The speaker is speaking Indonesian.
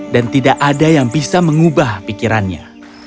dan tidak ada yang bisa mengubah pikirannya